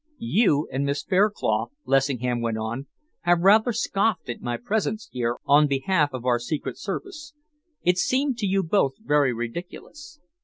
"You and Miss Fairclough," Lessingham went on, "have rather scoffed at my presence here on behalf of our Secret Service. It seemed to you both very ridiculous.